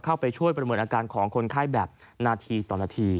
เข้าไปช่วยประเมินอาการของคนไข้แบบนาทีต่อนาที